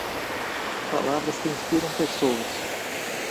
Palavras que inspiram pessoas